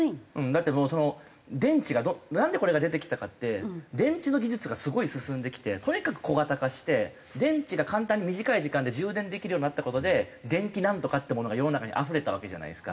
だってもう電池がなんでこれが出てきたかって電池の技術がすごい進んできてとにかく小型化して電池が簡単に短い時間で充電できるようになった事で電気ナントカってものが世の中にあふれたわけじゃないですか。